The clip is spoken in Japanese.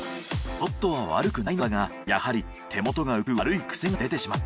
ショットは悪くないのだがやはり手元が浮く悪い癖が出てしまった。